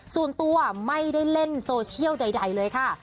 ส่วนตัวไม่ได้เล่นโซเชียลใดเลยค่ะ